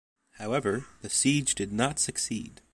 However, the siege did not succeed.